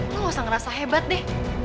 lo ga usah ngerasa hebat deh